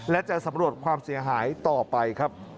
และจะสำรวจความเสียหายต่อไปครับ